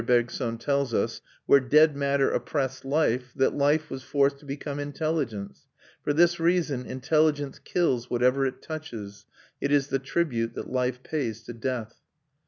Bergson tells us, where dead matter oppressed life that life was forced to become intelligence; for this reason intelligence kills whatever it touches; it is the tribute that life pays to death.